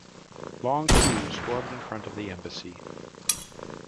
Long queues formed in front of the embassy.